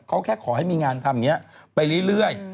แต่เขาแค่ขอให้มีงานทำงี้ไปเรื่อย